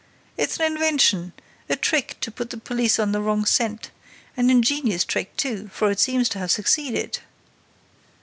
It's an invention, a trick to put the police on the wrong scent, an ingenious trick, too, for it seems to have succeeded."